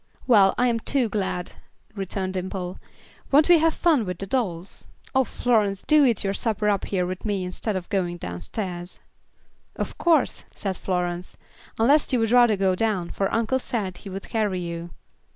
"Well, I am too glad," returned Dimple. "Won't we have fun with the dolls? O, Florence, do eat your supper up here with me instead of going downstairs." "Of course," said Florence, "unless you would rather go down, for uncle said he would carry you."